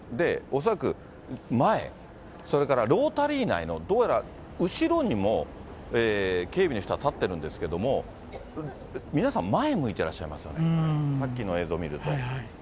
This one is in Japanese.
恐らく前、それからロータリー内の、どうやら後ろにも、警備の人は立ってるんですけども、皆さん、前向いてらっしゃいますよね、さっきの映像見ると。